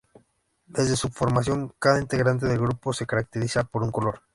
Desde su formación, cada integrante del grupo se caracteriza por un color.